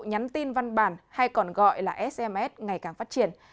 nhắn tin văn bản hay còn gọi là sms ngày càng phát triển